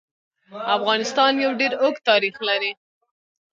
افغانستان يو ډير اوږد تاريخ لري.